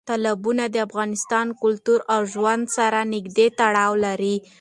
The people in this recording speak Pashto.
تالابونه د افغان کلتور او ژوند سره نږدې تړاو لري.